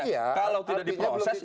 kalau tidak diproses